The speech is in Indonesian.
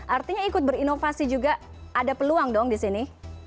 artinya ikut berinovasi juga ada peluang dong di sini